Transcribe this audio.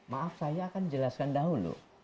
maaf saya akan jelaskan dahulu